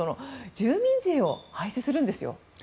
住民税を廃止するんですよ。